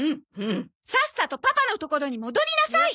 さっさとパパの所に戻りなさい！